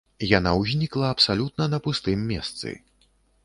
Яна ўзнікла абсалютна на пустым месцы.